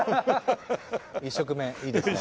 １食目いいですね。